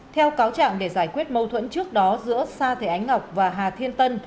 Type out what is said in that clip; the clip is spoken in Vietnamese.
theo cáo trạng để giải quyết mâu thuẫn trước đó giữa sa thể ánh ngọc và hà thiên tân